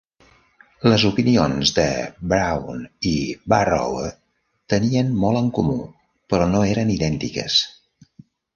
Les opinions de Browne i Barrowe tenien molt en comú, però no eren idèntiques.